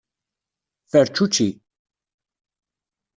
Fercuci.